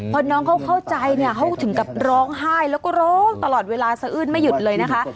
พอน้องเขาเข้าใจเนี่ยเขาถึงกับร้องไห้แล้วก็ร้องตลอดเวลาสะอื้นไม่หยุดเลยนะคะ